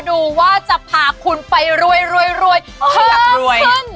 รอดูว่าจะพาคุณไปรวยเพิ่มขึ้น